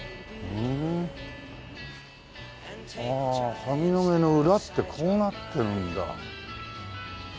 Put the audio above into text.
ああ上野毛の裏ってこうなってるんだ。